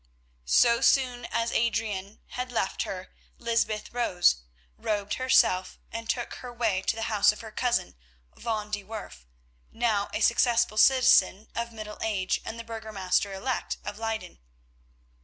So soon as Adrian had left her Lysbeth rose, robed herself, and took her way to the house of her cousin, van de Werff, now a successful citizen of middle age and the burgomaster elect of Leyden.